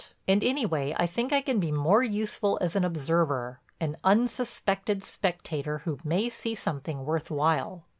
And anyway I think I can be more useful as an observer, an unsuspected spectator who may see something worth while."